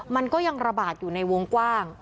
มันก็ยังระบาดอยู่ในวงกว้าง